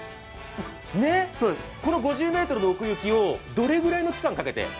この５０ｍの奥行きを、どれぐらいの期間をかけて？